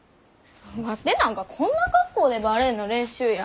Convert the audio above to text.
ワテなんかこんな格好でバレエの練習や。